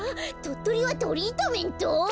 とっとりはトリートメント？